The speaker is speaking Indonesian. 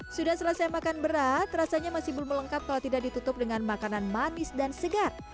sudah selesai makan berat rasanya masih belum melengkap kalau tidak ditutup dengan makanan manis dan segar